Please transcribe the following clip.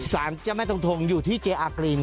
สารเจ้าแม่ทงทงอยู่ที่เจอากรีน